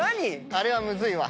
あれはむずいわ。